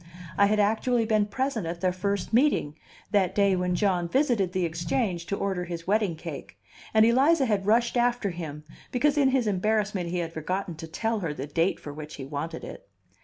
I had actually been present at their first meeting, that day when John visited the Exchange to order his wedding cake, and Eliza had rushed after him, because in his embarrassment he had forgotten to tell her the date for which he wanted it.